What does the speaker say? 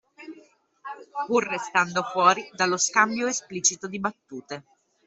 Pur restando fuori dallo scambio esplicito di battute